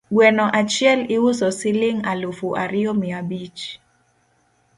Gweno achiel iuso siling alufu ariyo mia bich